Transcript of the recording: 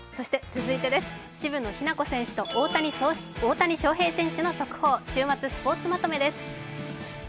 続いて渋野日向子選手と大谷翔平選手の速報、週末スポーツまとめです。